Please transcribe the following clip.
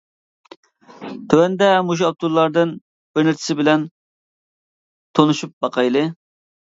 تۆۋەندە مۇشۇ ئاپتورلاردىن بىر نەچچىسى بىلەن تونۇشۇپ باقايلى.